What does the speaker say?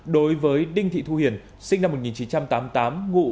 đối với đinh thị thu hiền sinh năm một nghìn chín trăm tám mươi tám ngụ